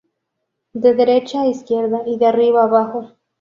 De derecha a izquierda y de arriba a abajo.